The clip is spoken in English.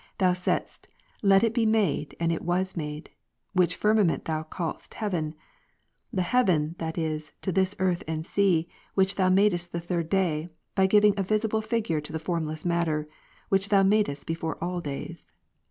Thou saidst. Let it be made, and it ivas made. 'SKYiich. firmament Thou calledst heaven; the heaven, that is, to this earth and sea, which Thou madest the third day, by giving a visible figure to the formless matter, which Thou madest before all days.